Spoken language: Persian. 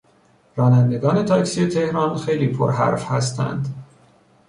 رانندگان تاکسی تهران خیلی پرحرف هستند.